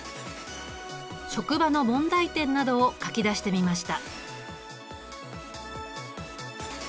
職場の問題点などを書き出してみました。